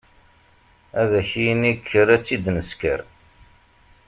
Ad ak-yini kker ad tt-id nesker.